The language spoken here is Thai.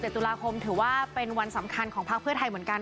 ตุลาคมถือว่าเป็นวันสำคัญของพักเพื่อไทยเหมือนกัน